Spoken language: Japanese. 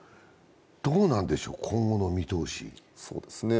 どうなんでしょう、今後の見通し。